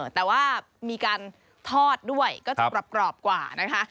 แต่ว่ามีการทอดด้วยก็จะกรอบกว่านะคะ